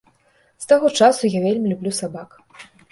З таго часу я вельмі люблю сабак.